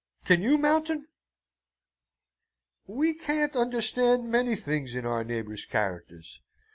Can you, Mountain?" "We can't understand many things in our neighbours' characters.